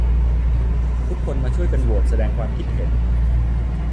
ทุกคนมาช่วยกันโหวต แสดงความคิดเห็น